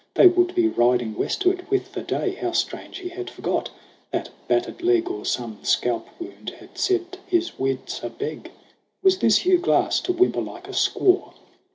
They would be riding westward with the day ! How strange he had forgot ! That battered leg Or some scalp wound, had set his wits a beg ! Was this Hugh Glass to whimper like a squaw